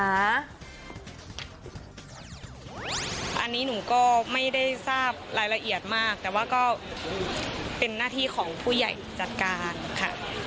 อันนี้หนูก็ไม่ได้ทราบรายละเอียดมากแต่ว่าก็เป็นหน้าที่ของผู้ใหญ่จัดการค่ะ